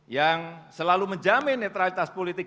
yang selalu menjamin netralitas politik